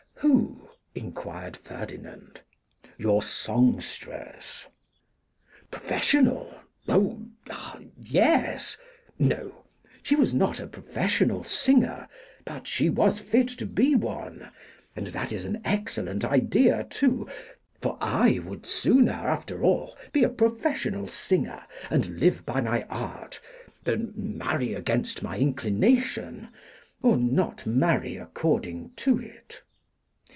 'Who?' inquired Ferdinand. 'Your songstress.' 'Professional! oh! ah! yes! No! she was not a professional singer, but she was fit to be one; and that is an excellent idea, too; for I would sooner, after all, be a professional singer, and live by my art, than marry against my inclination, or not marry according to it.